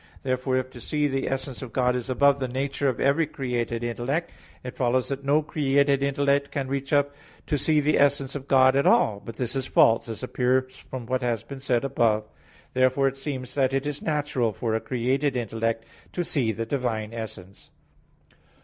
Therefore if to see the essence of God is above the nature of every created intellect, it follows that no created intellect can reach up to see the essence of God at all. But this is false, as appears from what is said above (A. 1). Therefore it seems that it is natural for a created intellect to see the Divine essence.